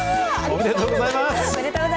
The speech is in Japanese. おめでとうございます。